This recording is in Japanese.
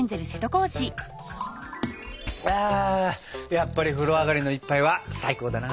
やっぱり風呂上がりの一杯は最高だな！